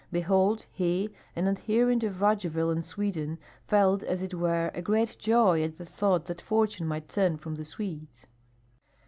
Behold, he, an adherent of Radzivill and Sweden, felt as it were a great joy at the thought that fortune might turn from the Swedes!